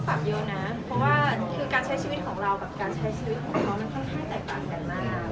เพราะว่าการใช้ชีวิตของเรากับการใช้ชีวิตของเขาค่อนข้างแตกต่างกันมาก